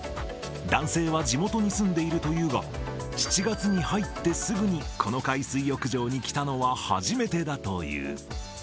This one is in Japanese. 男性は地元に住んでいるというが、７月に入ってすぐにこの海水浴場に来たのは初めてだという。